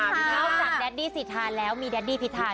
เท่าจากแดดดี้สิทาแล้วมีแดดดี้พิทาด้วย